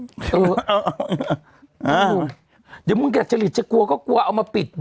เดี๋ยวมึงแก่จริตจะกลัวก็กลัวเอามาปิด